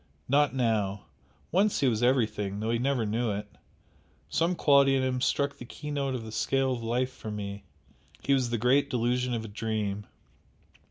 not now! Once he was everything, though he never knew it. Some quality in him struck the keynote of the scale of life for me, he was the great delusion of a dream!